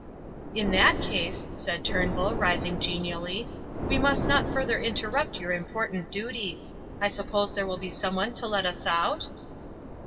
"In that case," said Turnbull, rising genially, "we must not further interrupt your important duties. I suppose there will be someone to let us out?"